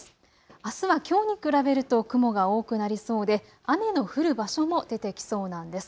あすはきょうに比べると雲が多くなりそうで雨の降る場所も出てきそうなんです。